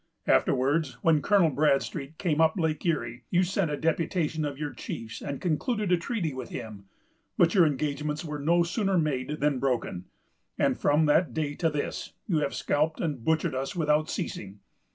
Afterwards, when Colonel Bradstreet came up Lake Erie, you sent a deputation of your chiefs, and concluded a treaty with him; but your engagements were no sooner made than broken; and, from that day to this, you have scalped and butchered us without ceasing.